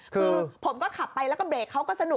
คือผมก็ขับไปแล้วก็เบรกเขาก็สนุก